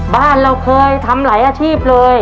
บ้านเราเคยทำหลายอาชีพเลย